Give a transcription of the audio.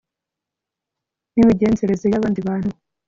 nimigenzereze yabandi bantu